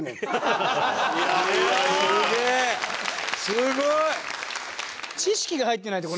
すごい！